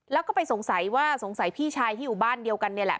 แล้วก็ไปสงสัยว่าสงสัยพี่ชายที่อยู่บ้านเดียวกันนี่แหละ